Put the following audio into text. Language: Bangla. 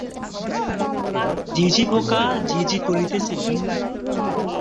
ঝিঁঝি পোকা ঝিঁ ঝিঁ করিতেছিল।